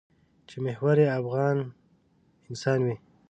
چې محور یې افغان انسان وي.